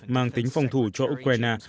mang tính phòng thủ cho ukraine